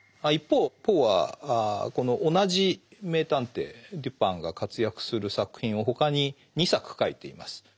一方ポーはこの同じ名探偵デュパンが活躍する作品を他に２作書いています。